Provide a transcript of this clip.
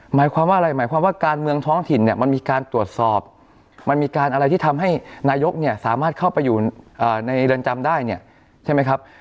หมายความว่าอะไรหมายความว่าการเมืองท้องถิ่นเนี่ยมันมีการตรวจสอบมันมีการอะไรที่ทำให้นายกเนี่ยสามารถเข้าไปอยู่ในเรือนจำได้เนี่ยใช่ไหมครับ